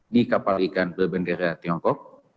di kapal ikan berbendera tiongkok